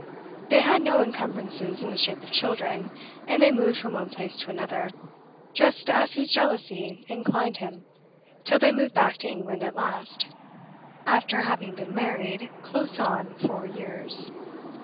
They had no incumbrances in the shape of children, and they moved from one place to another, just as his jealousy inclined him, till they moved back to England at last, after having been married close on four years.